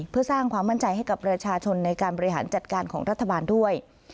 เพื่อสร้างความมั่นใจให้กับประชาชนในการบริหารจัดการของรัฐบาลด้วย